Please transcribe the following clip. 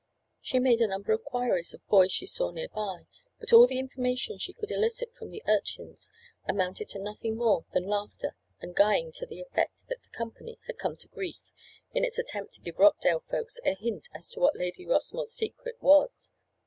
She made a number of inquiries of boys she saw nearby, but all the information she could elicit from the urchins amounted to nothing more than laughter and "guying" to the effect that the company had come to grief in its attempt to give Rockdale folks a hint as to what Lady Rossmore's "Secret" was.